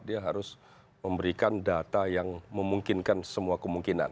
dia harus memberikan data yang memungkinkan semua kemungkinan